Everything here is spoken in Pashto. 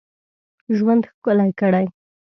ژوند ښکلی کړی.